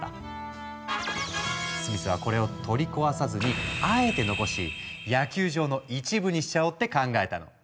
スミスはこれを取り壊さずにあえて残し野球場の一部にしちゃおうって考えたの。